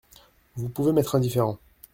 Vous pouvez m’être indifférent…